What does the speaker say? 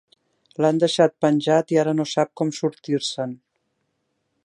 L'han deixat penjat i ara no sap com sortir-se'n.